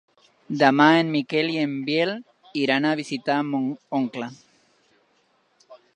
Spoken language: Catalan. Demà en Miquel i en Biel iran a visitar mon oncle.